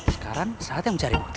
sekarang saatnya mencari bukti